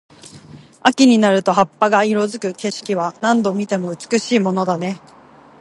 秋になると葉っぱが色付く景色は、何度見ても美しいものだね。